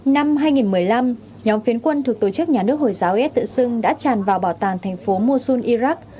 năm hai nghìn một mươi năm nhóm phiến quân thuộc tổ chức nhà nước hồi giáo is tự xưng đã tràn vào bảo tàng thành phố musun iraq